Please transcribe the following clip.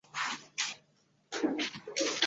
现居旧金山湾区希尔斯伯勒。